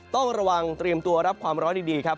ต้องระวังเตรียมตัวรับความร้อนดีครับ